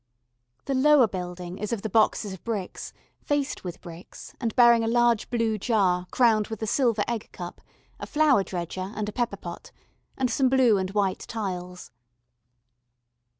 The lower building is of the boxes of bricks faced with bricks and bearing a large blue jar crowned with a silver egg cup, a flour dredger, and a pepper pot, and some blue and white tiles.